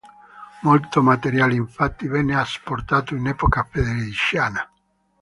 Molto materiale infatti venne asportato in epoca federiciana.